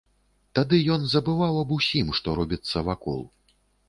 Тады ён забываў аб усім, што робіцца вакол.